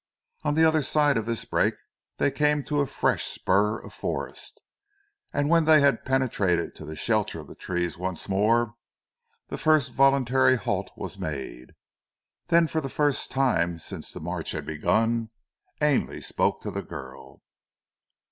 On the other side of this break they came to a fresh spur of forest, and when they had penetrated to the shelter of the trees once more, the first voluntary halt was made. Then for the first time since the march had begun, Ainley spoke to the girl.